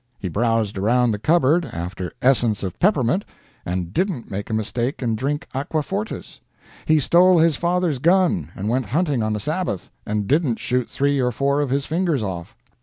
He browsed around the cupboard after essence of peppermint, and didn't make a mistake and drink aqua fortis. He stole his father's gun and went hunting on the Sabbath, and didn't shoot three or four of his fingers off.